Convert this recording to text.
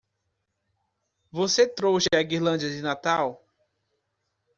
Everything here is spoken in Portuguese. Você trouxe a guirlanda de Natal?